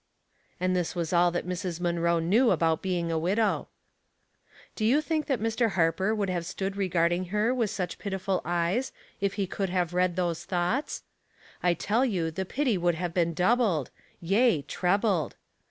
And this was all that Mrs. Munroe knew about being a widow. Do you think that Mr. Harper would have stood regarding her with such pitiful 298 Household Puzzles. eyes if he could have read those thoughts? 1 tell you the pity would have been doubled, yea, trebled.